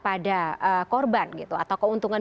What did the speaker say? pada korban gitu atau keuntungan